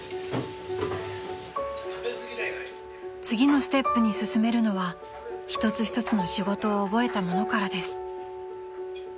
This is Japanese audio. ［次のステップに進めるのは一つ一つの仕事を覚えた者からです］